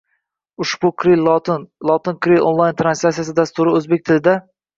Ushbu kiril lotin, lotin kiril onlayn translatsiya dasturi o’zbek tilida